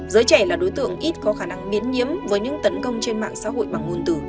giới trẻ là đối tượng ít có khả năng miến nhiếm với những tấn công trên mạng xã hội bằng nguồn từ